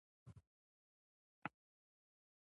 عالم آرای نادري د نادر افشار په زمانه کې لیکل شوی.